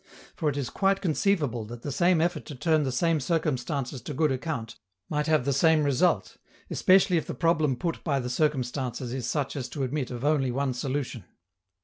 For it is quite conceivable that the same effort to turn the same circumstances to good account might have the same result, especially if the problem put by the circumstances is such as to admit of only one solution.